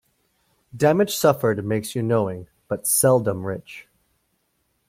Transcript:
Damage suffered makes you knowing, but seldom rich.